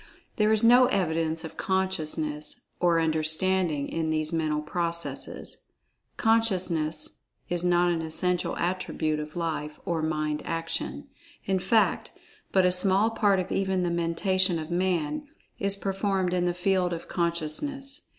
There is no evidence of "consciousness" or "understanding" in these mental processes. Consciousness is not an essential attribute of Life or Mind action. In fact, but a small part of even the Mentation of Man is performed in the field of consciousness.